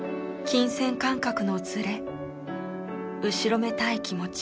金銭感覚のズレ後ろめたい気持ち。